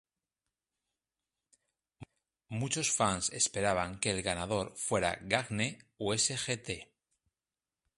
Muchos fans esperaban que el ganador fuera Gagne o Sgt.